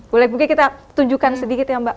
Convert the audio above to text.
boleh mungkin kita tunjukkan sedikit ya mbak